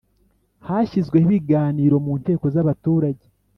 hashyirweho ibiganiro mu nteko z’ abaturage